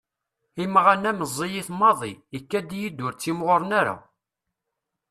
Imaɣan-a meẓẓiyit maḍi, ikad-yi-d ur ttimɣuren ara.